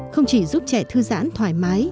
không chỉ giúp trẻ thư giãn thoải mái